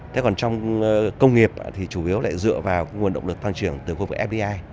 thế còn trong công nghiệp thì chủ yếu lại dựa vào nguồn động lực tăng trưởng từ khu vực fdi